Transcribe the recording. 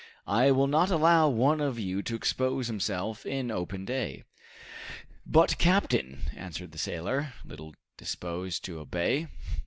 I will not allow one of you to expose himself in open day." "But, captain " answered the sailor, little disposed to obey.